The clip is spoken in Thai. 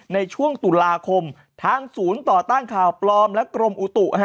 ในช่วงตุลาคมทางศูนย์ต่อต้านข่าวปลอมและกรมอุตุ